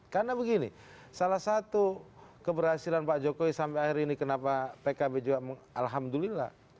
karena begini salah satu keberhasilan pak jokowi sampai akhir ini kenapa pkb juga alhamdulillah